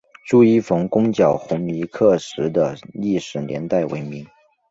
朱一冯攻剿红夷刻石的历史年代为明。